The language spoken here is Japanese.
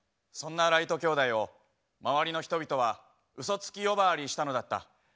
そんなライト兄弟を周りの人々はうそつき呼ばわりしたのだった。